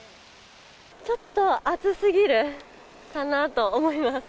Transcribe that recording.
ちょっと暑すぎるかなと思います。